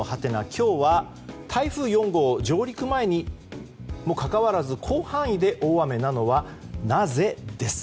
今日は台風４号上陸前にもかかわらず広範囲で大雨なのはなぜです。